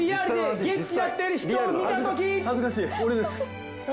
俺です